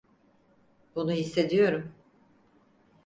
Bunu hissediyorum.